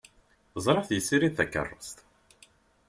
Ẓriɣ-t yessirid takeṛṛust.